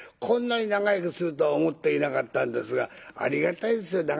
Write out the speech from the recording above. こんなに長生きするとは思っていなかったんですがありがたいですよ